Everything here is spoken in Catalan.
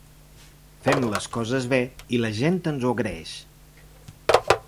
Fem les coses bé i la gent ens ho agraeix.